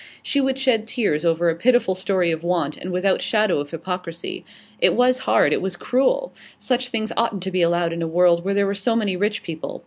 She would shed tears over a pitiful story of want, and without shadow of hypocrisy. It was hard, it was cruel; such things oughtn't to be allowed in a world where there were so many rich people.